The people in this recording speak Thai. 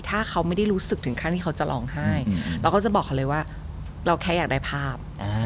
ถ้าเขาไม่ได้รู้สึกถึงขั้นที่เขาจะร้องไห้เราก็จะบอกเขาเลยว่าเราแค่อยากได้ภาพ